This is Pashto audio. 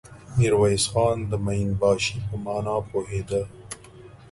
ميرويس خان د مين باشي په مانا پوهېده.